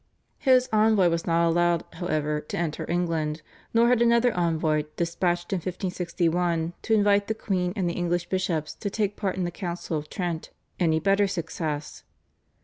His envoy was not allowed, however, to enter England, nor had another envoy, dispatched in 1561 to invite the queen and the English bishops to take part in the Council of Trent, any better success.